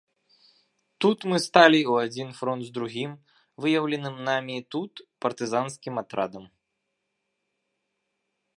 Тут мы сталі ў адзін фронт з другім, выяўленым намі тут партызанскім атрадам.